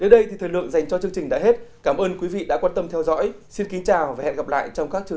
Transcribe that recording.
cảm ơn các bạn đã theo dõi và hẹn gặp lại